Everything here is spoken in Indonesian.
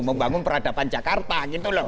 membangun peradaban jakarta gitu loh